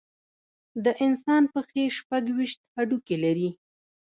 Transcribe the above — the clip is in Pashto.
د انسان پښې شپږ ویشت هډوکي لري.